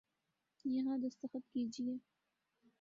یہاں دستخط کیجئے